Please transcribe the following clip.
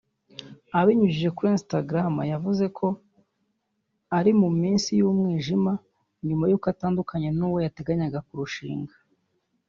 Abinyujije kuri Instagram yavuze ko ari mu minsi y’umwijima nyuma y’uko atandukanye n’uwo bateganyaga kurushinga